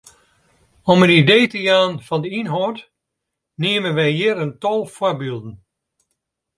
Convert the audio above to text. Om in idee te jaan fan de ynhâld neame wy hjir in tal foarbylden.